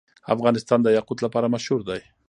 افغانستان د یاقوت لپاره مشهور دی.